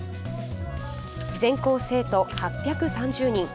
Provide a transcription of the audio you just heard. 全校生徒８３０人。